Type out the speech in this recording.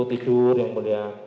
tidur yang mulia